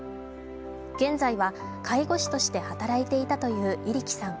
現在は介護士として働いていたという入来さん。